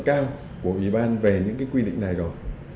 cao của ủy ban về những cái quy định này rồi